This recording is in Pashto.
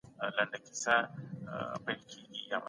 شاه د ښځو د چادري او تعلیم مسئلې ته حل لارې پیدا کړې.